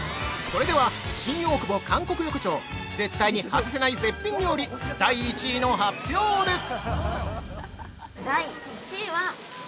それでは、新大久保韓国横丁絶対に外せない絶品料理、第１位の発表です！